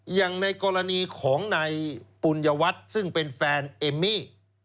อย่างในกรณีของนายปุญญวัฒน์ซึ่งเป็นแฟนเอมมี่